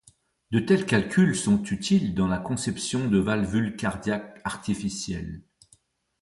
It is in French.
De tels calculs sont utiles dans la conception de valvules cardiaques artificielles.